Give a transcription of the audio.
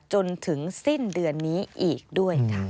จนถึงสิ้นเดือนนี้อีกด้วยค่ะ